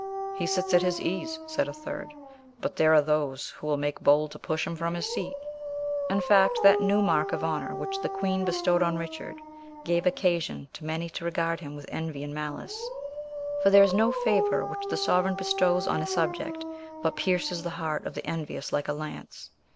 "He sits at his ease," said a third, "but there are those who will make bold to push him from his seat." In fact, that new mark of honour which the queen bestowed on Richard gave occasion to many to regard him with envy and malice; for there is no favour which the sovereign bestows on a subject but pierces the heart of the envious like a lance.